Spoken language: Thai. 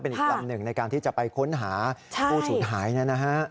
เป็นอีกลำหนึ่งในการที่จะไปค้นหาผู้สูญหายนะฮะ